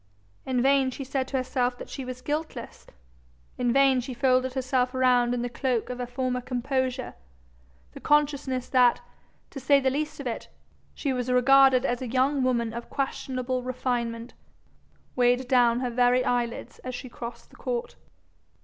In vain she said to herself that she was guiltless; in vain she folded herself round in the cloak of her former composure; the consciousness that, to say the least of it, she was regarded as a young woman of questionable refinement, weighed down her very eyelids as she crossed the court.